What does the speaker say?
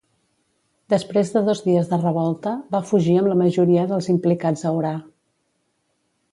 Després de dos dies de revolta, va fugir amb la majoria dels implicats a Orà.